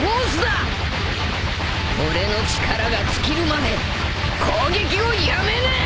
俺の力が尽きるまで攻撃をやめねえ！